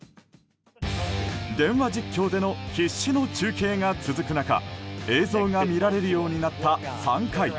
電話実況での必死の中継が続く中映像が見られるようになった３回。